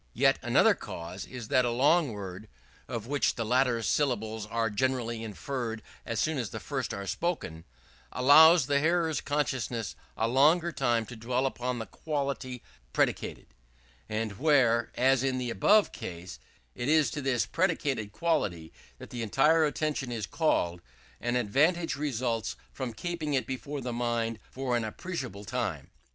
Yet another cause is that a long word (of which the latter syllables are generally inferred as soon as the first are spoken) allows the hearer's consciousness a longer time to dwell upon the quality predicated; and where, as in the above cases, it is to this predicated quality that the entire attention is called, an advantage results from keeping it before the mind for an appreciable time.